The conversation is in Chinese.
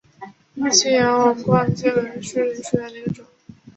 信阳王冠介为土菱介科王冠介属下的一个种。